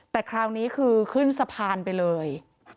แต่คราวนี้คือขึ้นสะพานไปเลย